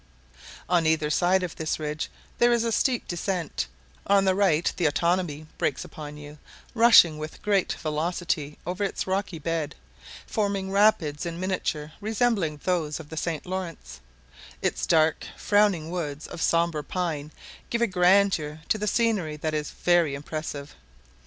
On either side of this ridge there is a steep descent; on the right the Otanabee breaks upon you, rushing with great velocity over its rocky bed, forming rapids in miniature resembling those of the St. Laurence; its dark, frowning woods of sombre pine give a grandeur to the scenery that is very impressive.